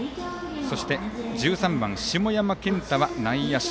そして１３番、下山健太は内野手。